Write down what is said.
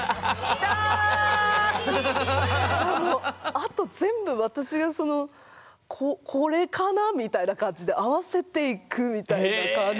あと全部私がその「これかな？」みたいな感じで合わせていくみたいな感じだったから。